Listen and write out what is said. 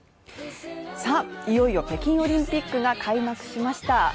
いよいよ北京オリンピックが開幕しました。